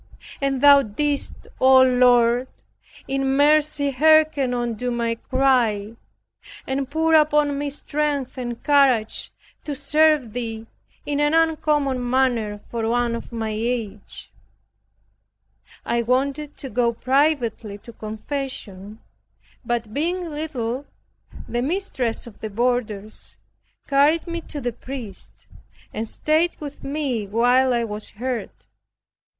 And thou didst, O Lord, in mercy hearken unto my cry, and pour upon me strength and courage to serve thee, in an uncommon manner for one of my age. I wanted to go privately to confession, but being little, the mistress of the boarders carried me to the priest, and stayed with me while I was heard.